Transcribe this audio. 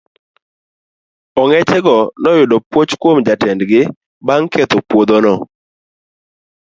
Ong'eche go noyudo puoch kuom jatend gi bang' ketho puodhono.